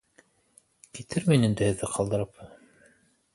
Китермен инде һеҙҙе ҡалдырып.